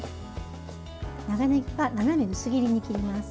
長ねぎは斜め薄切りに切ります。